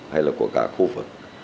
hay là của cả khu vực